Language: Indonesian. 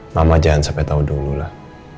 mama jangan sampai tahu dulu lah